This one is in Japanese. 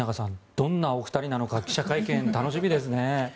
どんなお二人なのか記者会見楽しみですね。